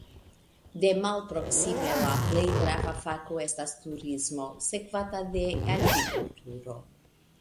De malproksime la plej grava fako estas turismo, sekvata de agrikulturo.